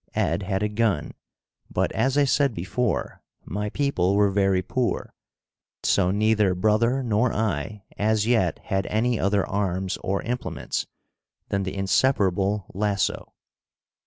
Ed had a gun, but, as I said before, my people were very poor, so neither brother nor I as yet had any other arms or implements than the inseparable lasso.